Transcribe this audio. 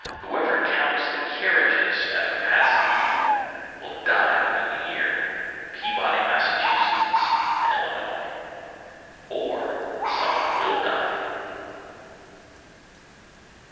Whoever counts the carriages at a passing funeral will die within the year. Peabody, Mass., and Hennepin, Ill. Or, some one will die.